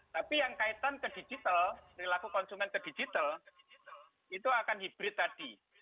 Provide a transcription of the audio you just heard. tapi yang kaitan ke digital perilaku konsumen ke digital itu akan hibrid tadi